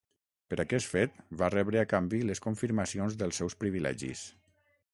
Per aquest fet, va rebre a canvi les confirmacions dels seus privilegis.